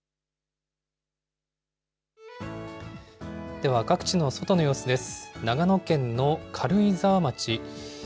では、各地の外の様子です。